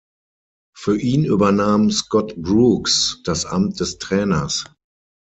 Für ihn übernahm Scott Brooks das Amt des Trainers.